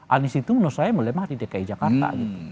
anies itu menurut saya melemah di dki jakarta